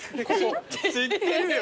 知ってるよ。